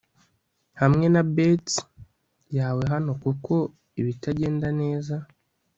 hamwe na bets yawe hano kuko ibitagenda neza